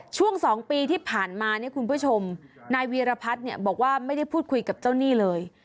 ช่วง๒ปีที่ผ่านมาเนี่ยคุณผู้ชมนายวีรพัฒน์เนี่ยบอกว่าไม่ได้พูดคุยกับเจ้าหนี้เลย